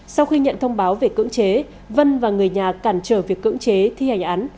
sau khi nhận thông báo về cưỡng chế vân và người nhà cản trở việc cưỡng chế thi hành án